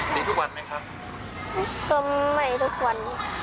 ดีทุกวันไหมครับก็ไม่ทุกวัน